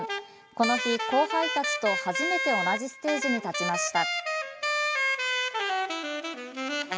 この日、後輩たちと初めて同じステージに立ちました。